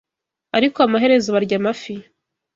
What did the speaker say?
ariko amaherezo barya amafi